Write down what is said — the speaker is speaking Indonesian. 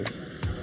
mama aku telpon